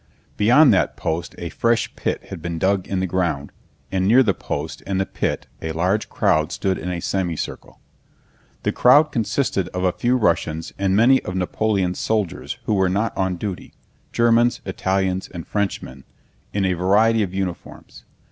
Beyond that post a fresh pit had been dug in the ground, and near the post and the pit a large crowd stood in a semicircle. The crowd consisted of a few Russians and many of Napoleon's soldiers who were not on duty—Germans, Italians, and Frenchmen, in a variety of uniforms.